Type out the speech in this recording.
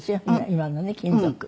今のね金属。